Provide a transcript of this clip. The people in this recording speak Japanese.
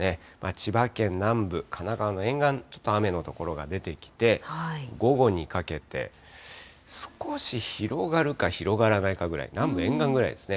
千葉県南部、神奈川の沿岸、ちょっと雨の所が出てきて、午後にかけて、少し広がるか広がらないかくらい、南部沿岸ぐらいですね。